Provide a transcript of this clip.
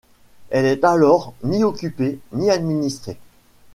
Elle est alors ni occupée ni administrée.